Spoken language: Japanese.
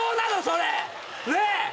それ！ねぇ？